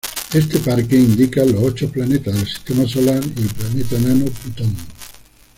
Este parque indica los ocho planetas del sistema sol y el planeta enano Plutón.